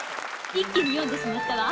「一気に読んでしまったわ。